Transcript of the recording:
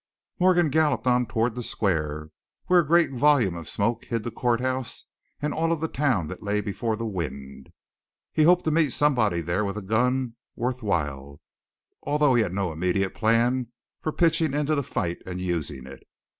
Morgan galloped on toward the square, where a great volume of smoke hid the courthouse and all of the town that lay before the wind. He hoped to meet somebody there with a gun worth while, although he had no immediate plan for pitching into the fight and using it.